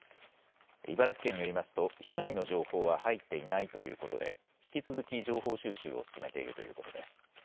茨城県によりますと、被害の情報は入っていないということで、引き続き情報収集を進めているということです。